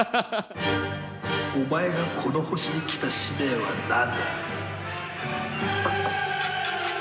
お前がこの星に来た使命はなんだ？